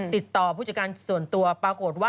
ติดต่อผู้จัดการส่วนตัวปรากฏว่า